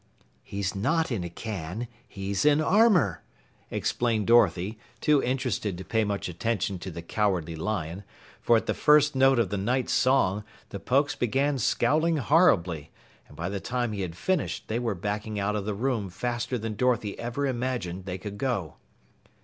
"He's not in a can, he's in armor," explained Dorothy, too interested to pay much attention to the Cowardly Lion, for at the first note of the Knight's song, the Pokes began scowling horribly, and by the time he had finished they were backing out of the room faster than Dorothy ever imagined they could go.